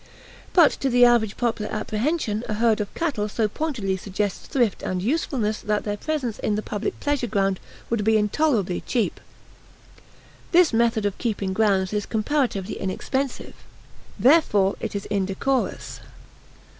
But to the average popular apprehension a herd of cattle so pointedly suggests thrift and usefulness that their presence in the public pleasure ground would be intolerably cheap. This method of keeping grounds is comparatively inexpensive, therefore it is indecorous.